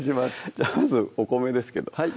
じゃあまずお米ですけどはい